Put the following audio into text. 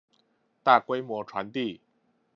大規模傳遞